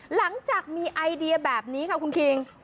หลังจากมีไอเดียแบบนี้ค่ะคุณคิง